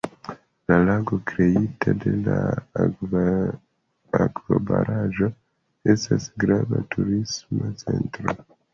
La lago kreita de la akvobaraĵo estas grava turisma centro.